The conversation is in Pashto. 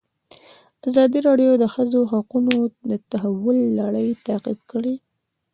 ازادي راډیو د د ښځو حقونه د تحول لړۍ تعقیب کړې.